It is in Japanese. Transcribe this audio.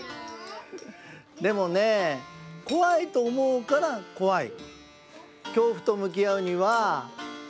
でもね怖いとおもうから怖い。